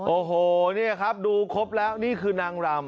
โอ้โหนี่ครับดูครบแล้วนี่คือนางรำ